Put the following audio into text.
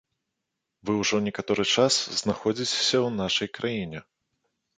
Вы ўжо некаторы час знаходзіцеся ў нашай краіне.